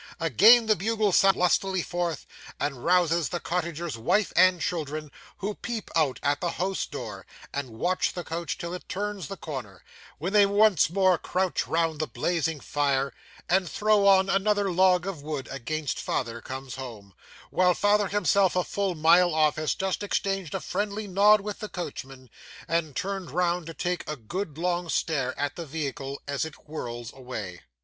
Again the bugle sounds lustily forth, and rouses the cottager's wife and children, who peep out at the house door, and watch the coach till it turns the corner, when they once more crouch round the blazing fire, and throw on another log of wood against father comes home; while father himself, a full mile off, has just exchanged a friendly nod with the coachman, and turned round to take a good long stare at the vehicle as it whirls away.